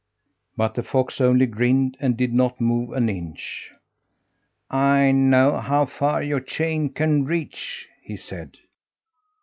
But the fox only grinned and did not move an inch. "I know how far your chain can reach," he said.